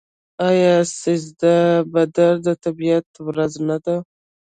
آیا سیزده بدر د طبیعت ورځ نه ده؟